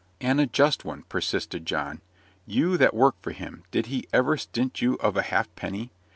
"And a just one," persisted John. "You that work for him, did he ever stint you of a halfpenny?